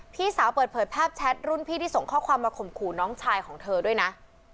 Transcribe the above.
พี่สาวเปิดเผยภาพแชทรุ่นพี่ที่ส่งข้อความมาข่มขู่น้องชายของเธอด้วยนะ